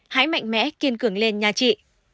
hãy mạnh mẽ kiên cường lên nha chị